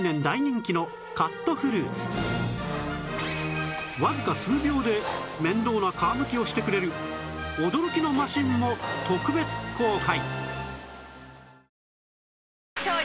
さらにわずか数秒で面倒な皮むきをしてくれる驚きのマシンも特別公開